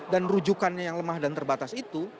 dan rujukannya yang lemah dan terbatas itu